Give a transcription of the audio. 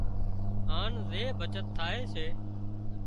هانَ زي بچت ٿائي سي